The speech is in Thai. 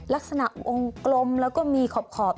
ลักษณะองค์กลมแล้วก็มีขอบ